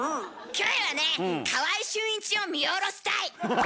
キョエはね川合俊一を見下ろしたい。